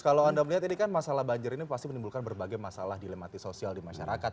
kalau anda melihat ini kan masalah banjir ini pasti menimbulkan berbagai masalah dilematis sosial di masyarakat